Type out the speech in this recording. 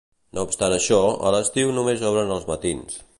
No obstant això, a l'estiu només obren als matins.